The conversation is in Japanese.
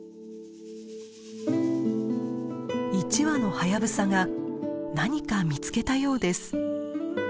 １羽のハヤブサが何か見つけたようです。